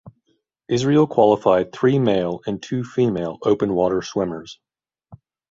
Israel qualified three male and two female open water swimmers.